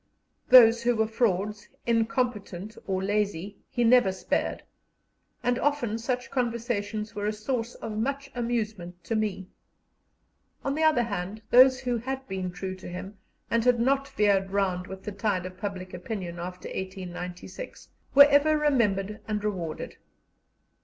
Those who were frauds, incompetent, or lazy, he never spared, and often such conversations were a source of much amusement to me. On the other hand, those who had been true to him, and had not veered round with the tide of public opinion after 1896, were ever remembered and rewarded.